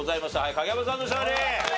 影山さんの勝利。